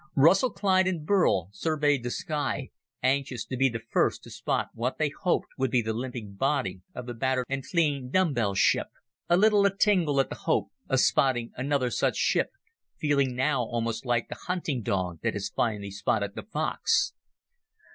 Russell Clyde and Burl surveyed the sky, anxious to be the first to spot what they hoped would be the limping body of the battered and fleeing dumbbell ship, a little atingle at the hope of spotting another such ship feeling now almost like the hunting dog that has finally spotted the fox.